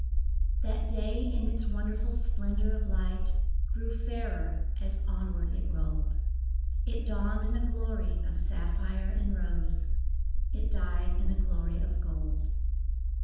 I. HAT day in its wonderful splendor of light Grew fairer as onward it rolled ; It dawned in a glory of sapphire and rose, It died in a glory of gold.